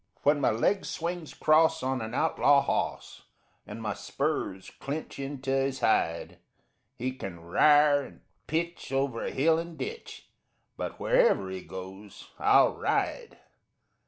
_ When my leg swings 'cross on an outlaw hawse And my spurs clinch into his hide, He kin r'ar and pitch over hill and ditch, But wherever he goes I'll ride.